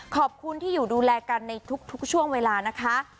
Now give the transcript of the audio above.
ขอบคุณที่อยู่ดูแลกันในทุกช่วงเวลานะคะ